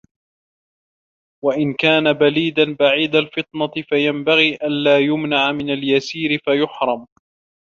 وَإِنْ كَانَ بَلِيدًا بَعِيدَ الْفِطْنَةِ فَيَنْبَغِي أَنْ لَا يُمْنَعَ مِنْ الْيَسِيرِ فَيَحْرُمُ